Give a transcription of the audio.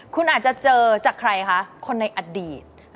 คุณอาจจะเจอจากใครคะคนในอดีต